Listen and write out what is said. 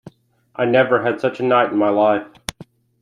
I never had such a night in my life!